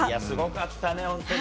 すごかったね。